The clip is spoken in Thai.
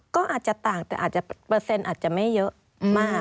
ก็อาจจะต่างแต่อาจจะเปอร์เซ็นต์อาจจะไม่เยอะมาก